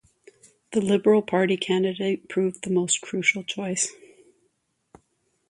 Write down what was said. The Liberal Party candidate proved the most crucial choice.